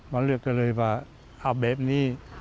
มาเลือกก็เลยว่าเอาแบบนี้